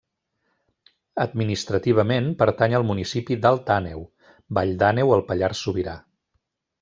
Administrativament pertany al municipi d'Alt Àneu, Vall d'Àneu al Pallars Sobirà.